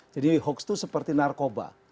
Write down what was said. jadi hoax itu seperti narkoba